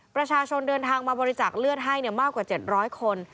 ประชาชนเดินทางมาบริจาคเลือดให้มากกว่า๗๐๐คน